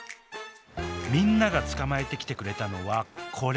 みんなが捕まえてきてくれたのはこれ。